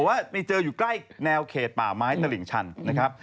แต่ว่าไปเจออยู่ใกล้แนวเขตป่าไม้ตลิ่งชันนะครับ